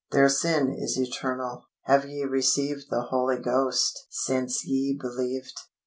Their sin is eternal. "HAVE YE RECEIVED THE HOLY GHOST SINCE YE BELIEVED?"